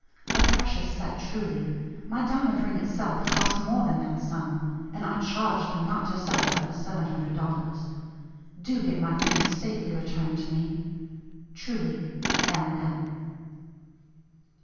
A precious set, truly. My diamond ring itself cost more than that sum, and I charged them not to sell it under $700. Do get my things safely returned to me. "Truly, "M. L."